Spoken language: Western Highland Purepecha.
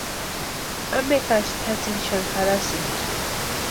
¿Ampe jásï tʼatsïni xani jarhaski?